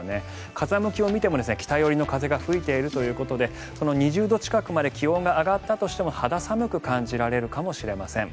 風向きを見ても北寄りの風が吹いているということで２０度近くまで気温が上がったとしても肌寒く感じられるかもしれません。